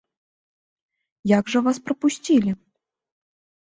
Як жа вас прапусцілі?